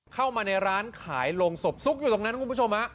เข้ามาในร้านขายโรงศพซุกอยู่ตรงนั้นคุณผู้ชมฮะ